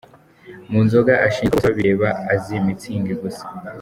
Mu nzoga ashinjwa Bosebabireba azi Mutzig gusa.